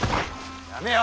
やめよ。